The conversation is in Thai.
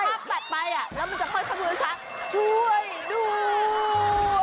แล้วมันจะค่อยค์แมนพักช่วยดู